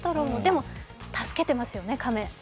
助けてますよね、亀。